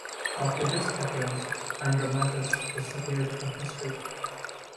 After this occurrence, Andromachus disappears from history.